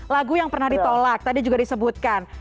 lagu yang pernah ditolak tadi juga disebutkan